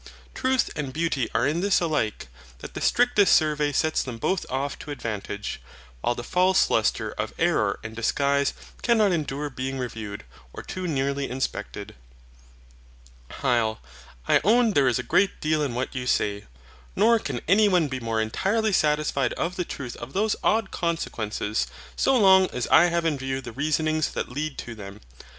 Truth and beauty are in this alike, that the strictest survey sets them both off to advantage; while the false lustre of error and disguise cannot endure being reviewed, or too nearly inspected. HYL. I own there is a great deal in what you say. Nor can any one be more entirely satisfied of the truth of those odd consequences, so long as I have in view the reasonings that lead to them.